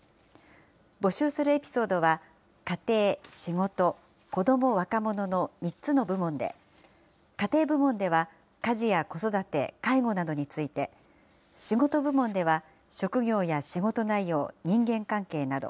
募集するエピソードは、家庭、仕事、子ども・若者の３つの部門で、家庭部門では家事や子育て、介護などについて、仕事部門では、職業や仕事内容、人間関係など。